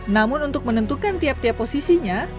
namun untuk menentukan tiap tiap posisinya